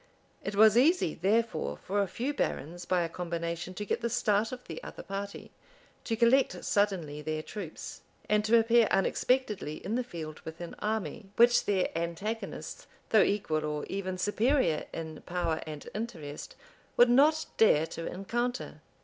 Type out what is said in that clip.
It was easy, therefore, for a few barons, by a combination, to get the start of the other party, to collect suddenly their troops, and to appear unexpectedly in the field with an army, which their antagonists, though equal or even superior in power and interest, would not dare to encounter.